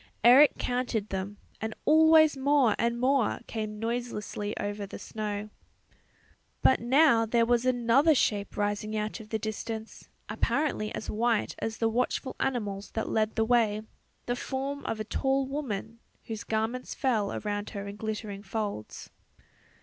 Eric counted them and always more and more came noiselessly over the snow. But now there was another shape rising out of the distance, apparently as white as the watchful animals that led the way, the form of a tall woman whose garments fell around her in glittering folds.